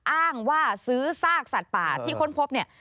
อ้างว่าซื้อซากสัตว์ป่าที่ค้นพบเนี่ย